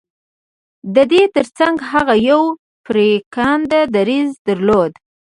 د دې ترڅنګ هغه يو پرېکنده دريځ درلود.